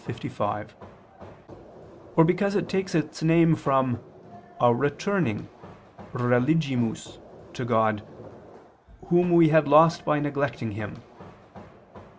55), or because it takes its name from "our returning (religimus) to God Whom we had lost by neglecting Him" [*Cf.